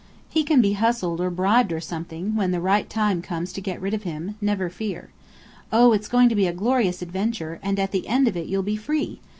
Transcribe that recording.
He can be hustled or bribed or something, when the right time comes to get rid of him, never fear. Oh, it's going to be a glorious adventure, and at the end of it you'll be free!